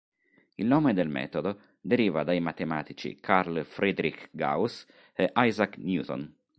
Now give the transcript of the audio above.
Il nome del metodo deriva dai matematici Carl Friedrich Gauss e Isaac Newton.